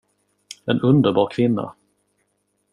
En underbar kvinna.